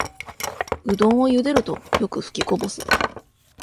うどんをゆでるとよくふきこぼす